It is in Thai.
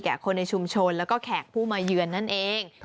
คนในชุมชนแล้วก็แขกผู้มาเยือนนั่นเอง